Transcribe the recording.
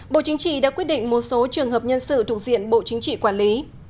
bộ chính trị đã quyết định một số trường hợp nhân sự thuộc diện bộ chính trị quản lý